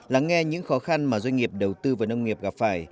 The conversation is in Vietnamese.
lắng nghe những khó khăn mà doanh nghiệp đầu tư vào nông nghiệp gặp phải